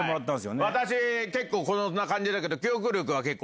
私こんな感じだけど。